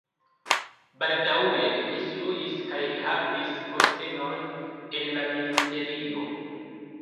Baldaŭe li instruis kaj li havis postenon en la ministerio.